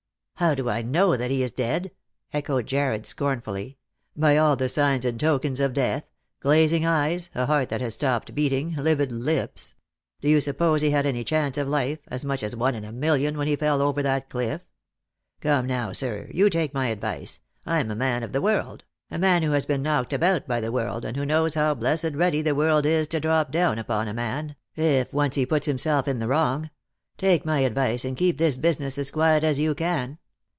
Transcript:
" How do I know that he is dead !" echoed Jarred scornfully. " By all the signs and tokens of death — glazing eyes, a heart that has stopped beating, livid lips. Do you suppose he had any chance of life — as much as one in a million — when he fell over that cliff? Come, now, sir, you take my advice — I'm a man of the world — a man who has been knocked about by the world, and who knows how blessed ready the world is to drop down upon a man, if once he puts himself in the wrong — take my advice, and keep this business as quiet as you can.